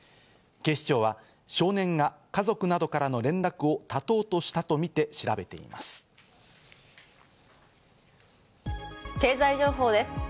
警視庁は少年が家族などからの連絡を絶とうとしたとみて調べています。